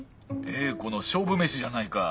詠子の勝負メシじゃないか。